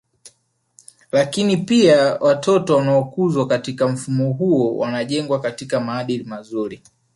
Lakini pia watoto wanaokuzwa katika mfumo huo wanajengwa katika maadili mazuri